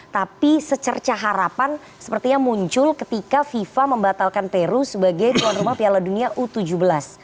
tapi secerca harapan sepertinya muncul ketika fifa membatalkan peru sebagai tuan rumah piala dunia u tujuh belas